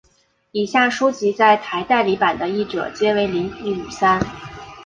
以下书籍在台代理版的译者皆为林武三。